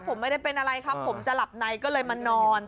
ผมไม่ได้เป็นอะไรครับผมจะหลับในก็เลยมานอน